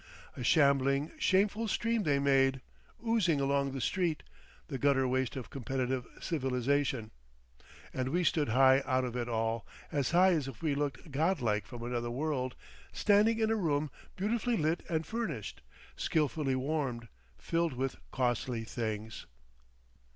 A shambling, shameful stream they made, oozing along the street, the gutter waste of competitive civilisation. And we stood high out of it all, as high as if we looked godlike from another world, standing in a room beautifully lit and furnished, skillfully warmed, filled with costly things.